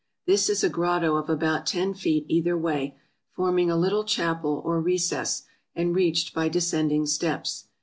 This is a grotto of about ten feet either way, forming a little chapel or recess, and reached by descending steps.